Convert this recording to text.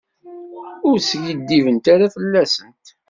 Ur skiddibent ara fell-asent.